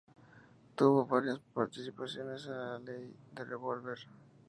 Tuvo varias participaciones en La ley del revolver.